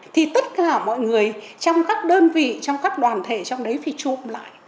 thì tất cả mọi người trong các đơn vị trong các đoàn thể trong đấy phải trụm lại